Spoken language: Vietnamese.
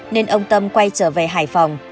nên ông tâm quay trở về hải phòng